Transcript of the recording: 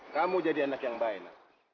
kamu jadi anak yang baik